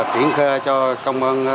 triển khai cho công an sài gòn